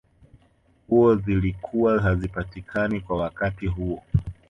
nguo zilikuwa hazipatikani kwa wakati huo